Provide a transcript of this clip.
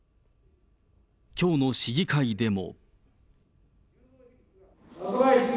きょうの市議会でも。